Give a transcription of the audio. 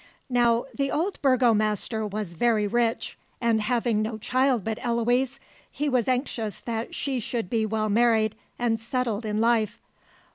Now, the old burgomaster was very rich, and having no child but Eloise, he was anxious that she should be well married and settled in life.